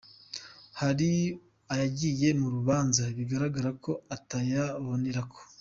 Hari ayagiye mu rubanza bigaragara ko ataraboneka.